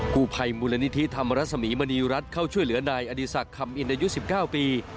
ผู้ภัยมูลนิธิธรรมรสมีมณีรัฐเข้าช่วยเหลือนายอดีศักดิ์คำอินอายุ๑๙ปี